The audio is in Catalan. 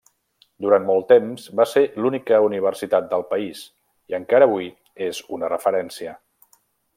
Durant molt temps va ser l'única universitat del país i encara avui és una referència.